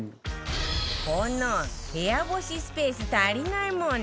この部屋干しスペース足りない問題